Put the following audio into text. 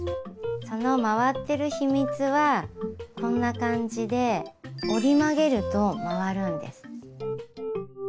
その回ってる秘密はこんな感じで折り曲げると回るんです。